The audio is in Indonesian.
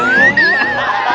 cuma tadi nggak ada api